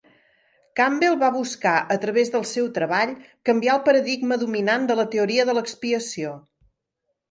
Campbell va buscar, a través del seu treball, canviar el paradigma dominant de la teoria de l'expiació.